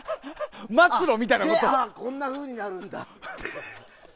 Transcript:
ああ、こんなふうになるんだって。